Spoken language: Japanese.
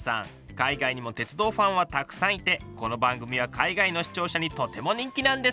海外にも鉄道ファンはたくさんいてこの番組は海外の視聴者にとても人気なんです！